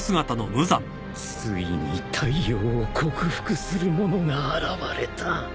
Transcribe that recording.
ついに太陽を克服する者が現れた。